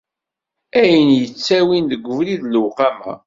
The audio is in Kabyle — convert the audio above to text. Ayen i yettawin deg ubrid n lewqama.